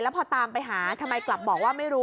พอตามไปหาทำไมกลับบอกว่าไม่รู้